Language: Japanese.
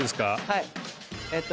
はいえっと。